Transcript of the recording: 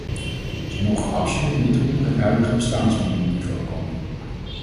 Ze mogen absoluut niet onder het huidige bestaansminimumniveau komen.